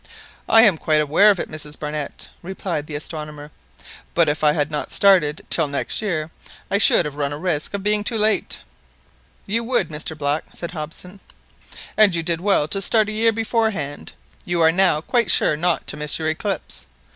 "I am quite aware of it, Mrs Barnett," replied the astronomer; "but if I had not started till next year I should have run a risk of being too late." "You would, Mr Black," said Hobson, "and you did well to start a year beforehand. You are now quite sure not to miss your eclipse.